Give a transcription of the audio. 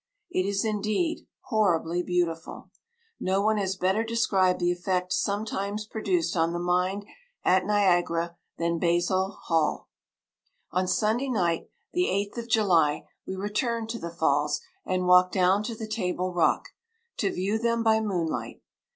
It is, indeed, "horribly beautiful." No one has better described the effect sometimes produced on the mind at Niagara, than Basil Hall. "On Sunday night, the 8th of July, we returned to the Falls, and walked down to the Table Rock, to view them by moonlight.